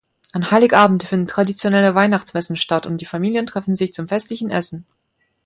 An Heiligabend finden traditionelle Weihnachtsmessen statt und die Familien treffen sich zum festlichen Essen.